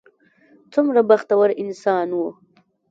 څومره بختور انسان و.